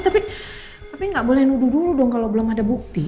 tapi nggak boleh nuduh dulu dong kalau belum ada bukti